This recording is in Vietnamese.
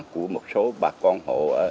của một số bà con hộ